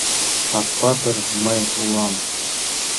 Акпатыр мый улам.